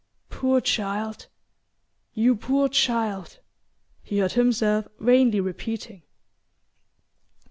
"Poor child you poor child!" he heard himself vainly repeating.